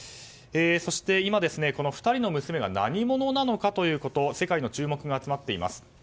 そして今、２人の娘が何者なのかということに世界の注目が集まっています。